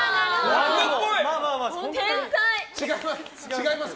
違います。